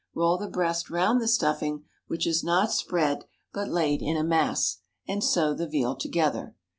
Roll the breast round the stuffing, which is not spread, but laid in a mass, and sew the veal together.